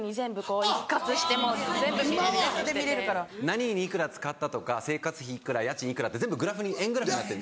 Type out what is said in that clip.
何に幾ら使ったとか生活費幾ら家賃幾らって全部円グラフになってる。